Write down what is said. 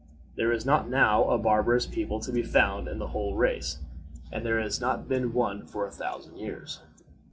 There is not now a barbarous people to be found in the whole race, and there has not been one for a thousand years.